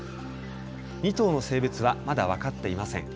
２頭の性別はまだ分かっていません。